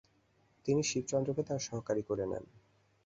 তিনি শিবচন্দ্রকে তার সহকারী করে নেন।